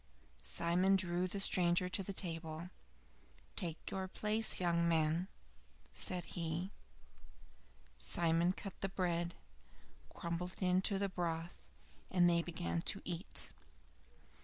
Simon drew the stranger to the table. "Take your place, young man," said he. Simon cut the bread, crumbled it into the broth, and they began to eat.